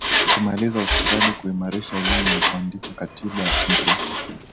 Kumaliza ufisadi kuimarisha elimu na kuandika katiba mpya